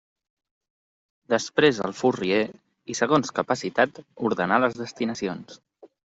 Després el furrier, i segons capacitat, ordenà les destinacions.